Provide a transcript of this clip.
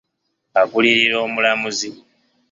Agulirira omulamuzi.